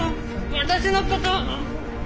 私のことは。